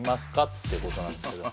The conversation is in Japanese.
ってことですけど